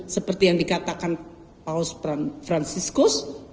seperti yang dikatakan paus franciscus